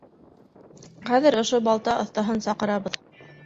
Хәҙер ошо балта оҫтаһын саҡырабыҙ!